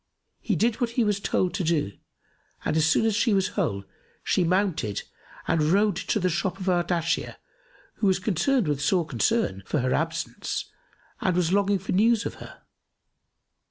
He did what he was told to do and as soon as she was whole she mounted and rode to the shop of Ardashir who was concerned with sore concern for her absence and was longing for news of her.